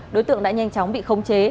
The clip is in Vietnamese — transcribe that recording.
đối tượng đã nhanh chóng bị khống chế